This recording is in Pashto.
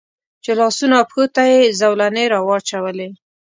چې لاسونو او پښو ته یې زولنې را واچولې.